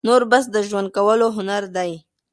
نور بس د ژوند کولو هنر دى،